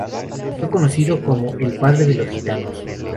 Y fue conocido como el "padre de los gitanos".